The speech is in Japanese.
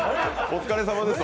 お疲れさまです？